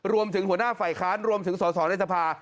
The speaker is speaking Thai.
หัวหน้าฝ่ายค้านรวมถึงสอสอในสภา